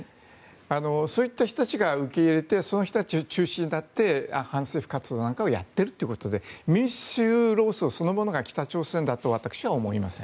そういった人たちが受け入れてその人たちが中心になって反政府活動なんかをやっているということで民主労総そのものが北朝鮮だとは私は思いません。